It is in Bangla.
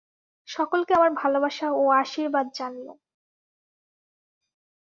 সকলকে আমার ভালবাসা ও আশীর্বাদ জানিও।